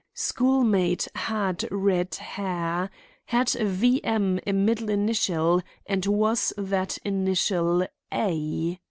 Schoolmate had red hair. Had V. M. a middle initial, and was that initial A?